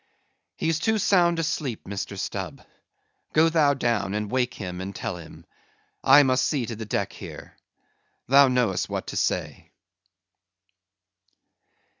"He's too sound asleep, Mr. Stubb; go thou down, and wake him, and tell him. I must see to the deck here. Thou know'st what to say."